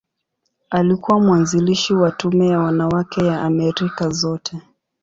Alikuwa mwanzilishi wa Tume ya Wanawake ya Amerika Zote.